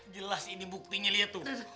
jelas ini buktinya lihat tuh